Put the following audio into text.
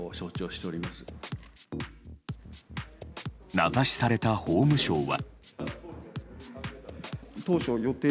名指しされた法務省は。